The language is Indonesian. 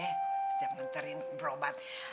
setiap ngantarin berobat